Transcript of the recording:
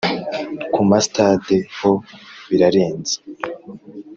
ku ma sitade ho birarenze !